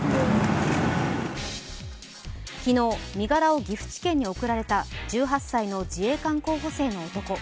昨日、身柄を岐阜地検に送られた１８歳の自衛官候補生の男。